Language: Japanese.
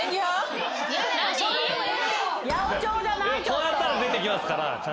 こうやったら出てきますから監督は。